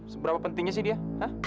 seberapa pentingnya sih dia